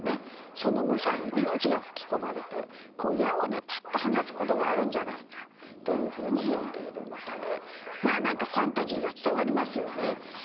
その武者に命が吹き込まれて矢をパッと放つことがあるんじゃないか。というふうに詠んでいる歌でまあ何かファンタジーが伝わりますよね。